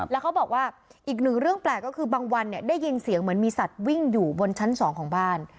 แล้วเขาบอกว่าอีกหนึ่งเรื่องแปลกก็คือบางวันเนี่ยได้ยินเสียงเหมือนมีสัตว์วิ่งอยู่บนชั้น๒ของบ้าน